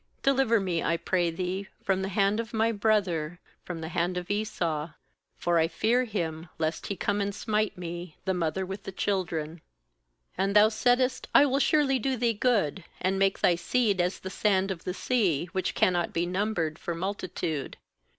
^Deliver me, I pray Thee, from the hand of my brother, from the hand of Esau; for I fear him, lest he come and smite me. the mother with the children. ^And Thou saidst : I will surely do thee good, and make thy seed as the sand of the sea, which cannot be numbered for multitude.'